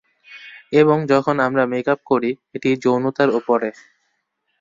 এবং যখন আমরা মেক আপ করি, এটি যৌনতার উপরে।